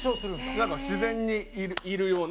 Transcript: なんか自然にいるような。